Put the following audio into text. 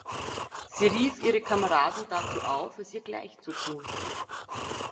Sie rief ihre Kameraden dazu auf, es ihr gleichzutun.